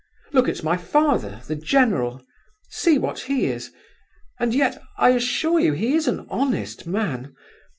Look at my father, the general! See what he is, and yet, I assure you, he is an honest man!